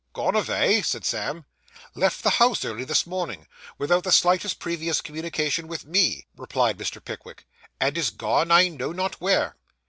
'Gone avay!' said Sam. 'Left the house early this morning, without the slightest previous communication with me,' replied Mr. Pickwick. 'And is gone, I know not where.